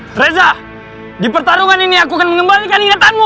hai reza di pertarungan ini aku akan mengembalikan ingatanmu